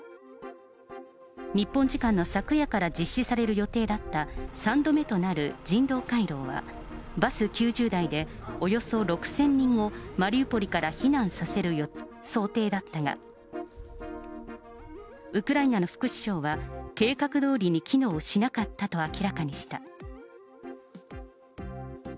日本時間の昨夜から実施される予定だった、３度目となる人道回廊は、バス９０台でおよそ６０００人を、マリウポリから避難させる想定だったが、ウクライナの副首相は、計画どおりに機能しなかったと明らかにした。